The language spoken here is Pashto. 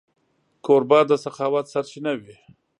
کوربه د سخاوت سرچینه وي.